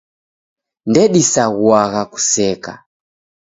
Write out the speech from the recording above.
Ndedisaghuagha kuseka.